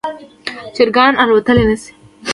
چرګان الوتلی نشي